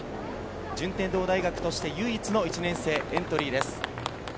順天堂大学として唯一の１年生エントリーです。